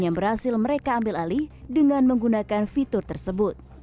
yang berhasil mereka ambil alih dengan menggunakan fitur tersebut